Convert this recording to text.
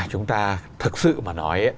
chúng ta thực sự mà nói